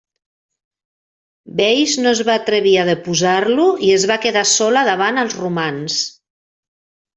Veïs no es va atrevir a deposar-lo i es va quedar sola davant els romans.